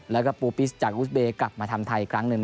แล้วก็ปูปิสจากอุสเบย์กลับมาทำไทยอีกครั้งหนึ่ง